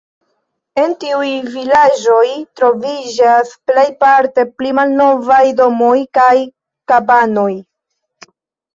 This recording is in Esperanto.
En tiuj vilaĝoj troviĝas plejparte pli malnovaj domoj kaj kabanoj.